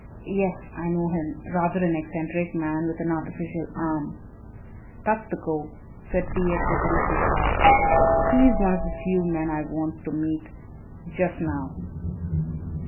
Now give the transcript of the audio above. Yes, I know him, rather an eccentric man with an artificial arm." "That's the cove," said T. X. with a little sigh; "he's one of the few men I want to meet just now."